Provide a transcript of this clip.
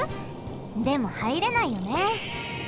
でもはいれないよね。